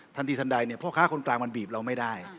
ทันทีทันใดเนี่ยพ่อค้าคนกลางมันบีบเราไม่ได้